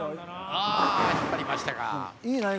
あ引っ張りましたか。